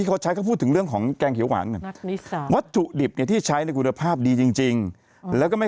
แอรี่แอรี่แอรี่แอรี่แอรี่แอรี่แอรี่แอรี่แอรี่แอรี่แอรี่แอรี่